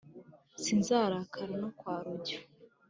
sinzakaraba no kwa rujyo